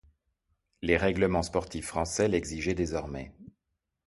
Les règlements sportifs français l'exigeaient désormais.